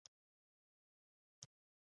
د هضم د ستونزې لپاره د معدې معاینه وکړئ